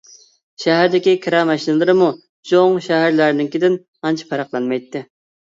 شەھەردىكى كىرا ماشىنىلىرىمۇ چوڭ شەھەرلەرنىڭكىدىن ئانچە پەرقلەنمەيتتى.